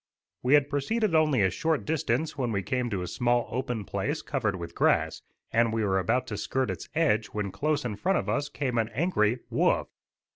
We had proceeded only a short distance when we came to a small open place covered with grass, and we were about to skirt its edge when close in front of us came an angry "woof."